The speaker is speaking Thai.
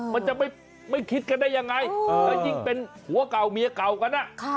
มันจะไม่คิดกันได้ยังไงแล้วยิ่งเป็นผัวเก่าเมียเก่ากัน